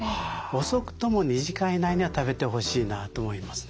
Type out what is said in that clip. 遅くとも２時間以内には食べてほしいなと思いますね。